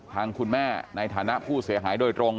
ทางคุณแม่ในฐานะผู้เสียหายโดยตรง